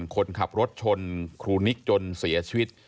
คนขับรถชนครูนิกจนเสียชีวิต